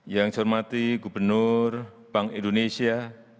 yang saya hormati gubernur bank indonesia